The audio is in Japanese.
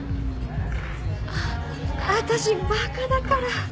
あっわたしバカだから。